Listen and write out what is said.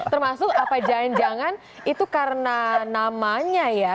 termasuk apa jangan jangan itu karena namanya ya